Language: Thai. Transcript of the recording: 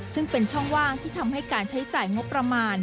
ซึ่งเป็นช่องว่างที่ทำให้การใช้จ่ายงบประมาณ